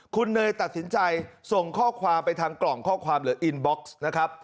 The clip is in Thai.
คุณเนยตัดสินใจส่งข้อความไปทางกล่องข้อความหรืออินบ็อกซ์นะครับ